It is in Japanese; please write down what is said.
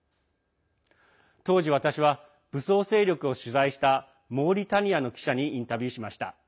当時、私は武装勢力を取材したモーリタニアの記者にインタビューしました。